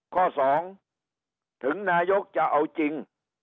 ข้อ๒ถึงนายกจะเอาจริง